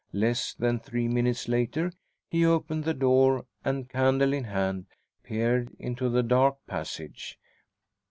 Less than three minutes later he opened the door and, candle in hand, peered into the dark passage.